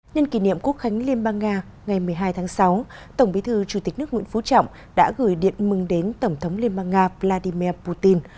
nhân kỷ niệm quốc khánh liên bang nga ngày một mươi hai tháng sáu tổng bí thư chủ tịch nước nguyễn phú trọng đã gửi điện mừng đến tổng thống liên bang nga vladimir putin